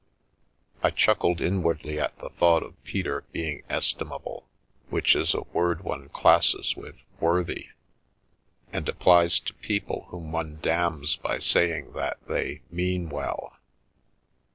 I chuckled inwardly at the thought of Peter being estimable, which is a word one classes with " worthy," The Milky Way and applies to people whom one damns by saying that they " mean well."